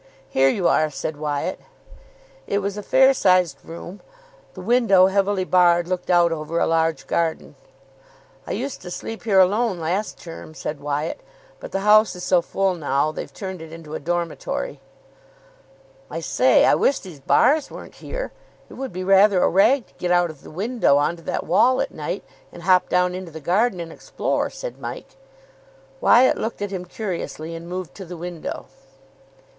"Here you are," said Wyatt. It was a fair sized room. The window, heavily barred, looked out over a large garden. "I used to sleep here alone last term," said Wyatt, "but the house is so full now they've turned it into a dormitory." "I say, I wish these bars weren't here. It would be rather a rag to get out of the window on to that wall at night, and hop down into the garden and explore," said Mike. Wyatt looked at him curiously, and moved to the window.